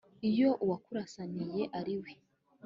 iyo uwakurasaniye ariwe